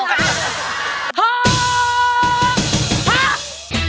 ๖หัก